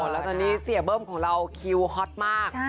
แล้วตอนนี้เสียเบิ้มของเราคิวฮอตมาก